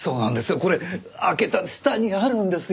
これ開けた下にあるんですよ。